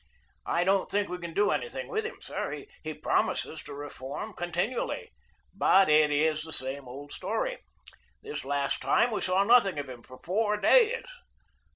I don't think we can do anything with him, sir. He promises to reform continually, but it is the same old story. This last time we saw nothing of him for four days.